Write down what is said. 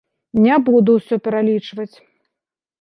Не буду ўсё пералічваць.